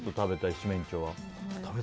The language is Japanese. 七面鳥は。